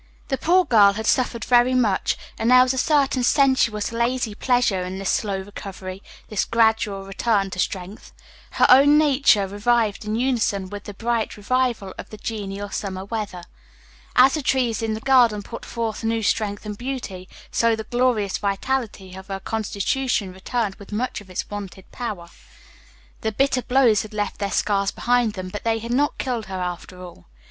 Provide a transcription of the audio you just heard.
The poor girl had suffered very much, and there was a certain sensuous, lazy pleasure in this slow recovery, this gradual return Page 50 to strength. Her own nature revived in unison with the bright revival of the genial summer weather. As the trees in the garden put forth new strength and beauty, so the glorious vitality of her constitution returned with much of its wonted power. The bitter blows had left their scars behind them, but they had not killed her after all.